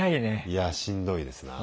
いやしんどいですな。